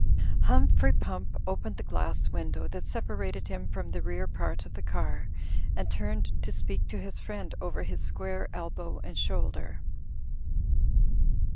Humphrey Pump opened the glass window that separated him from the rear part of the car, and turned to speak to his friend over his square elbow and shoulder.